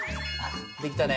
できたね。